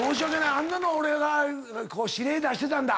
あんなの俺が指令出してたんだ。